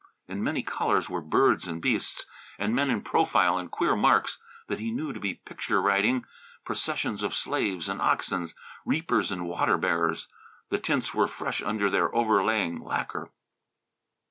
In many colours were birds and beasts, and men in profile, and queer marks that he knew to be picture writing; processions of slaves and oxen, reapers and water bearers. The tints were fresh under their overlaying lacquer.